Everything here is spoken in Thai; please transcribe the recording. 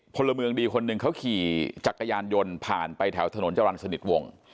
พลเมืองดีคนหนึ่งเขาขี่จักรยานยนต์ผ่านไปแถวถนนจรรย์สนิทวง